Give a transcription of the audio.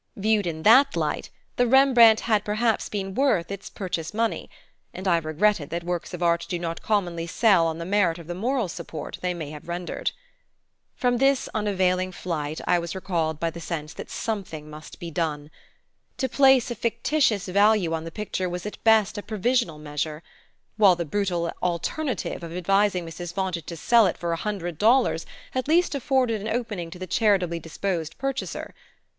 Viewed in that light the Rembrandt had perhaps been worth its purchase money; and I regretted that works of art do not commonly sell on the merit of the moral support they may have rendered. From this unavailing flight I was recalled by the sense that something must be done. To place a fictitious value on the picture was at best a provisional measure; while the brutal alternative of advising Mrs. Fontage to sell it for a hundred dollars at least afforded an opening to the charitably disposed purchaser.